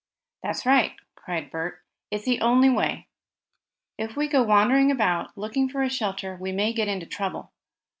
"That's right," cried Bert. "It's the only way. If we go wandering about, looking for a shelter, we may get into trouble.